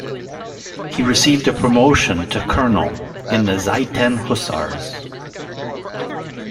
He received a promotion to colonel in the Zieten-Hussars.